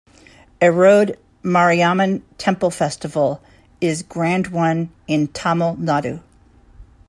Erode Mariamman temple festival is grand one in Tamil Nadu.